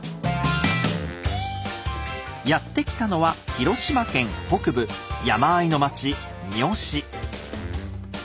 やって来たのは広島県北部山あいの町三次。